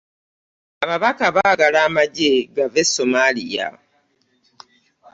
Ababaka baagala amagye gave e Somalia.